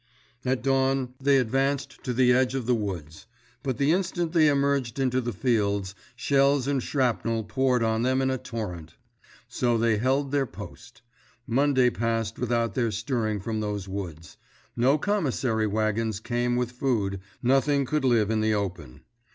At dawn, they advanced to the edge of the woods; but, the instant they emerged into the fields, shells and shrapnel poured on them in a torrent. So they held their post. Monday passed without their stirring from those woods. No commissary wagons came with food—nothing could live in the open.